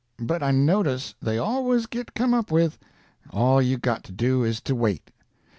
But I notice they always git come up with; all you got to do is to wait.